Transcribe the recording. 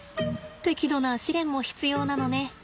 適度な試練も必要なのね。